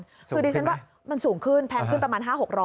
คือดิฉันว่ามันสูงขึ้นแพงขึ้นประมาณ๕๖๐๐